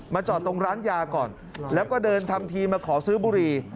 จอดตรงร้านยาก่อนแล้วก็เดินทำทีมาขอซื้อบุหรี่